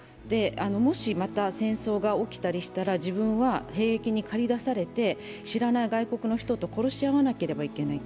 もしまた戦争が起きたらしたら、自分は兵役に駆り出されて知らない外国の人と殺し合わなければならない。